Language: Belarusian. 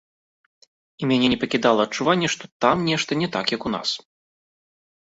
І мяне не пакідала адчуванне, што там нешта не так, як у нас.